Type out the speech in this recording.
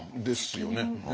ですよね。